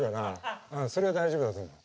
それは大丈夫だと思う。